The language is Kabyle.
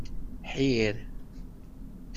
Ḥir.